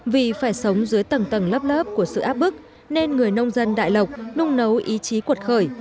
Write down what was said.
vì phải sống dưới tầng tầng lớp lớp của sự áp bức nên người nông dân đại lộc nung nấu ý chí cuột khởi